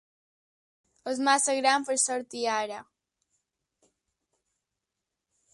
És massa gran per sortir ara.